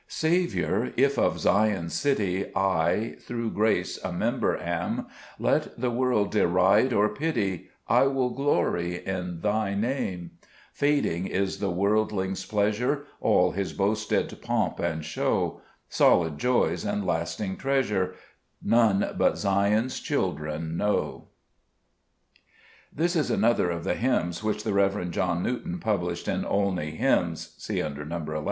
Saviour, if of Zion's city I, through grace, a member am, Let the world deride or pity, I will glory in Thy Name ; Fading is the worldling's pleasure, All his boasted pomp and show ; Solid joys and lasting treasure None but Zion's children know. This is another of the hymns which the Rev. John Newton published in " Olney Hymns" (see under Xo. II).